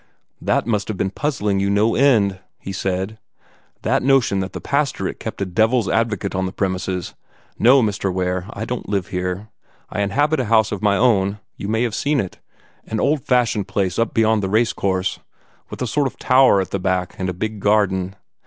"That must have been puzzling you no end," he said "that notion that the pastorate kept a devil's advocate on the premises. No, Mr. Ware, I don't live here. I inhabit a house of my own you may have seen it an old fashioned place up beyond the race course, with a sort of tower at the back, and a big garden.